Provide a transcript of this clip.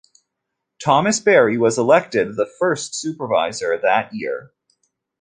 Thomas Berry was elected the first supervisor that year.